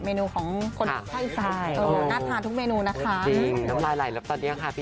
คุณต้องกินแบบอู๋มูมามแบบเนี้ย